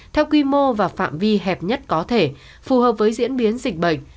tuy mô và phạm vi hẹp nhất có thể phù hợp với diễn biến dịch bệnh